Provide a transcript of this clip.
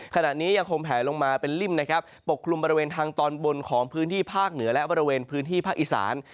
ขณะนี้ยังคงแผลลงมาเป็นริ่มนะครับปกคลุมบริเวณทางตอนบนของพื้นที่ภาคเหนือและบริเวณพื้นที่ภาคอีสาน